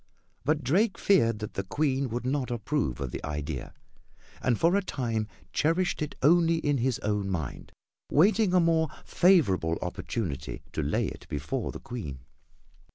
But Drake feared that the Queen would not approve of the idea, and for a time cherished it only in his own mind, waiting a more favorable opportunity to lay it before the Queen.